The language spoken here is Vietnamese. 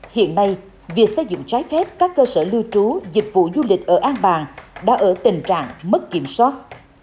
hiện nay việc xây dựng trái phép các cơ sở lưu trú dịch vụ du lịch ở an bàng đã ở tình trạng mất kiểm soát